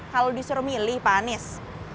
kalau disuruh milih pak anies